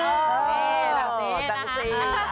เออตั้งสีตั้งสี